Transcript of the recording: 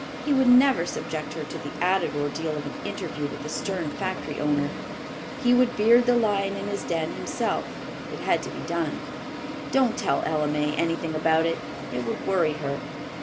He would never subject her to the added ordeal of an interview with the stern factory owner. He would beard the lion in his den himself, if it had to be done. "Don't tell Ella May anything about it. It would worry her.